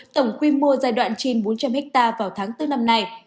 tổng quy mô giai đoạn trên bốn trăm linh ha vào tháng bốn năm nay